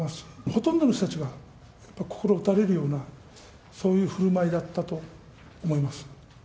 ほとんどの人たちが、やっぱり心を打たれるような、そういうふるまいだったと思います。